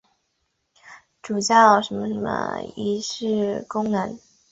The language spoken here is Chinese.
主教座堂的建筑形式很大程度上取决于它们作为主教驻地的仪式功能。